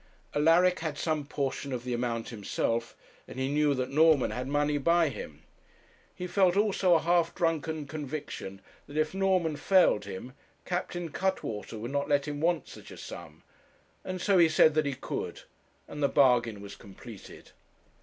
Alaric had some portion of the amount himself, and he knew that Norman had money by him; he felt also a half drunken conviction that if Norman failed him, Captain Cuttwater would not let him want such a sum; and so he said that he could, and the bargain was completed.